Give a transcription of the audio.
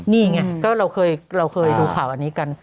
นี่ไงก็เราเคยดูข่าวอันนี้กัน